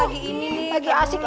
lagi asik asik dulu